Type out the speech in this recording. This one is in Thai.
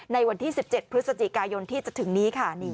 ในวันที่๑๗พฤศจิกายนที่จะถึงนี้ค่ะ